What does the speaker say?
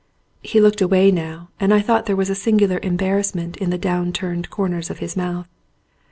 He looked away now and I thought there was a singular embarrassment in the down turned cor ners of his mouth.